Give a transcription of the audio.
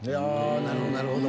なるほどなるほど。